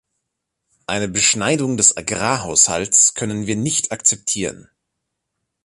Eine Beschneidung des Agrarhaushalts können wir nicht akzeptieren.